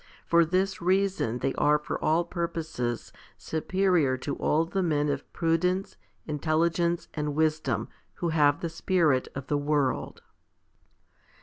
For this reason they are for all purposes superior to all the men of prudence, intelligence, and wisdom, who have the spirit of the world.